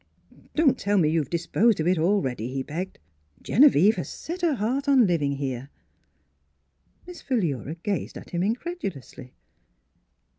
" Don't tell me you have disposed of it already," he begged. " Genevieve has set her heart on living here." Miss Philura gazed at him incredu lously.